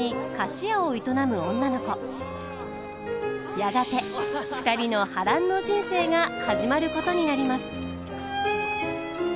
やがて２人の波乱の人生が始まることになります。